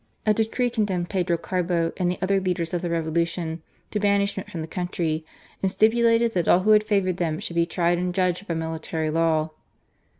A decree condemned Pedro Carbo and other leaders of the Revolution to banishment from the country, and stipulated that all who had favoured them should be tried and judged by military law.